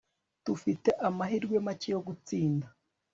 dufite amahirwe make yo gutsinda